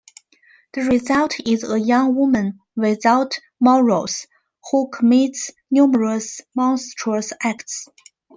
The result is a young woman without morals, who commits numerous monstrous acts.